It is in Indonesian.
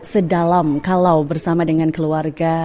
sedalam kalau bersama dengan keluarga